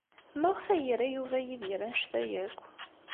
Maɣef ay ira Yuba Yidir anect-a akk?